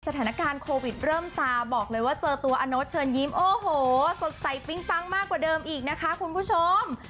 สถานการณ์โควิดเริ่มซาบอกเลยว่าเจอตัวอโน๊ตเชิญยิ้มโอ้โหสดใสปิ๊งปังมากกว่าเดิมอีกนะคะคุณผู้ชม